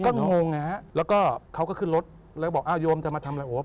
ก็งงไงฮะแล้วก็เขาก็ขึ้นรถแล้วก็บอกอ้าวโยมจะมาทำอะไรโอบ